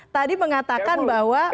tadi mengatakan bahwa